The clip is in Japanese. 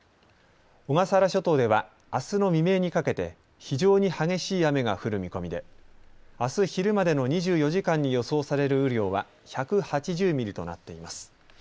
小笠原諸島ではあすの未明にかけて非常に激しい雨が降る見込みであす昼までの２４時間に予想される雨量は１８０ミリとなっています。